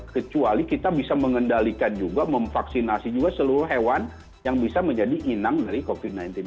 kecuali kita bisa mengendalikan juga memvaksinasi juga seluruh hewan yang bisa menjadi inang dari covid sembilan belas